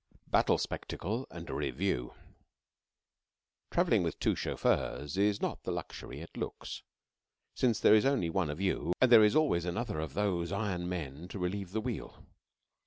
III BATTLE SPECTACLE AND A REVIEW Travelling with two chauffeurs is not the luxury it looks; since there is only one of you and there is always another of those iron men to relieve the wheel.